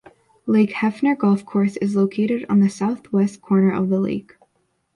Lake Hefner Golf Course is located on the southwest corner of the lake.